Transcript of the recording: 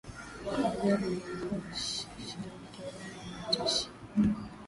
waziri mkuu shangirai ametishia